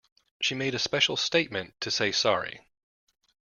She made a special statement to say sorry